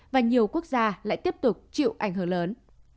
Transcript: và nhiều quốc gia lại tiếp tục chịu ảnh hưởng lớn